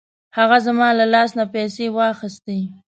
هغه زما له لاس نه پیسې واخیستې.